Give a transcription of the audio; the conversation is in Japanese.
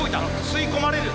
吸い込まれる。